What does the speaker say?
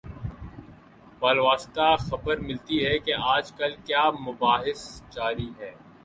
بالواسطہ خبر ملتی ہے کہ آج کل کیا مباحث جاری ہیں۔